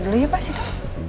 duduk dulu ya pas itu